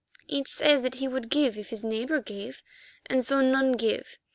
Each says that he would give if his neighbour gave, and so none give.